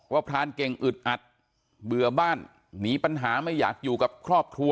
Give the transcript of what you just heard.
พรานเก่งอึดอัดเบื่อบ้านหนีปัญหาไม่อยากอยู่กับครอบครัว